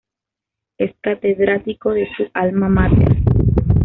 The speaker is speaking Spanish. Es catedrático de su alma máter.